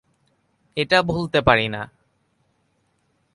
এটা ভুলতে পারি না।